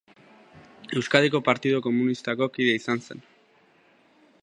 Euskadiko Partidu Komunistako kide izan zen.